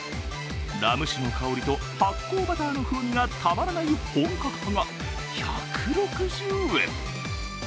ラム酒の香りと発酵バターの風味がたまらない本格派が１６０円。